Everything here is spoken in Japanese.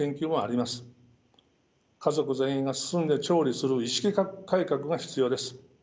家族全員が進んで調理する意識改革が必要です。